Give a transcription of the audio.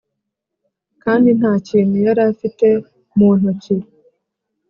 Kandi nta kintu yari afite mu ntoki